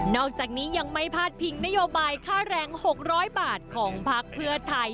อกจากนี้ยังไม่พาดพิงนโยบายค่าแรง๖๐๐บาทของพักเพื่อไทย